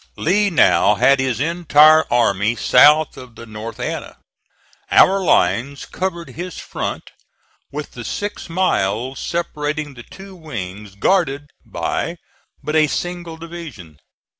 Lee now had his entire army south of the North Anna. Our lines covered his front, with the six miles separating the two wings guarded by but a single division.